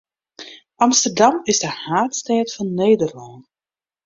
Amsterdam is de haadstêd fan Nederlân.